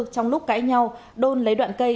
trong lúc cãi nhau đôn lấy đoạn cây